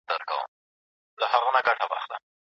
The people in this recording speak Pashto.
حقيقي ملي عايد به په پرله پسې ډول زياتېږي.